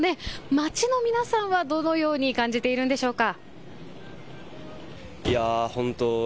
街の皆さんはどのように感じているんでしょうか。